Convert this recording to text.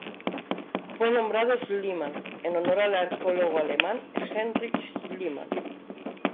Fue nombrado Schliemann en honor al arqueólogo alemán Heinrich Schliemann.